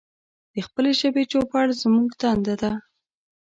د خپلې ژبې چوپړ زمونږ دنده ده.